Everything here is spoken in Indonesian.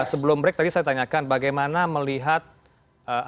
sebelum break tadi saya tanyakan bagaimana melihat